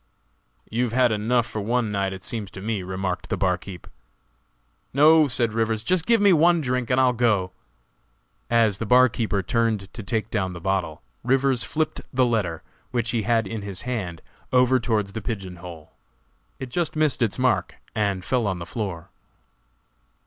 "You have had enough for one night, it seems to me," remarked the barkeeper. "No," said Rivers, "just give me one drink and I'll go!" As the barkeeper turned to take down the bottle, Rivers flipped the letter, which he had in his hand, over towards the pigeon hole; it just missed its mark and fell on the floor.